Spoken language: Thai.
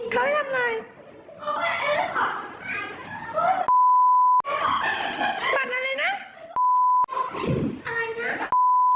มารึไง